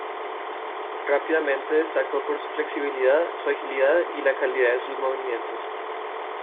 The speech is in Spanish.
Rápidamente destacó por su flexibilidad, su agilidad y la calidad de sus movimientos.